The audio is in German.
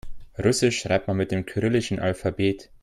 Russisch schreibt man mit dem kyrillischen Alphabet.